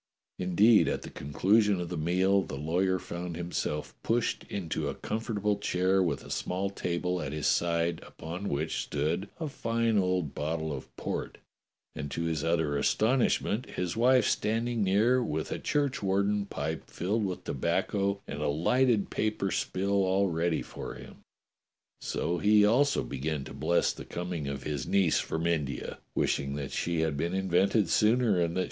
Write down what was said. Indeed at the conclusion of the meal the lawyer found himself pushed into a comfort able chair with a small table at his side upon which stood a fine old bottle of port, and to his utter astonishment his wife standing near with a churchwarden pipe filled with tobacco and a lighted paper spill all ready for him. So he also began to bless the coming of his niece from India, wishing that she had been invented sooner and that